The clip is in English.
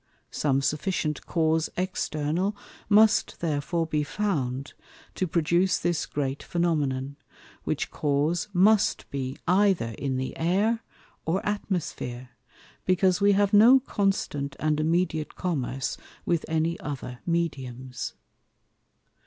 Some sufficient Cause External must therefore be found, to produce this great Phænomenon; which Cause must be either in the Air, or Atmosphere, because we have no constant and immediate Commerce with any other Mediums.